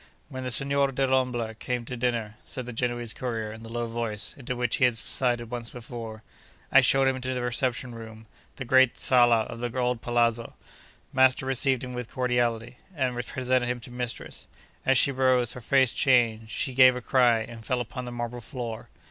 When the Signor Dellombra came to dinner (said the Genoese courier in the low voice, into which he had subsided once before), I showed him into the reception room, the great sala of the old palazzo. Master received him with cordiality, and presented him to mistress. As she rose, her face changed, she gave a cry, and fell upon the marble floor.